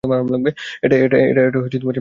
এটা চার্জ হচ্ছে।